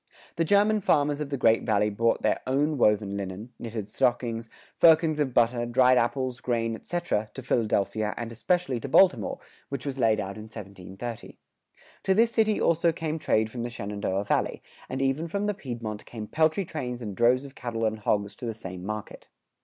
The German farmers of the Great Valley brought their woven linen, knitted stockings, firkins of butter, dried apples, grain, etc., to Philadelphia and especially to Baltimore, which was laid out in 1730. To this city also came trade from the Shenandoah Valley, and even from the Piedmont came peltry trains and droves of cattle and hogs to the same market.